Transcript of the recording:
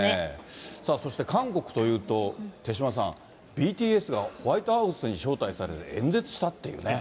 そして韓国というと、手嶋さん、ＢＴＳがホワイトハウスに招待されて、演説したっていうね。